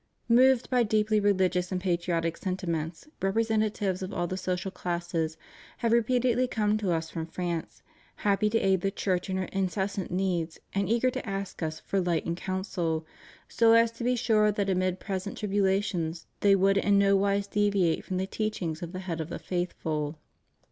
Moved by deeply religious and patriotic senti ments, representatives of all the social classes have re peatedly come to Us from France, happy to aid the Church in her incessant needs and eager to ask Us for light and counsel, so as to be sure that amid present tribulations they would in nowise deviate from the teachings of the Head of the Faithful.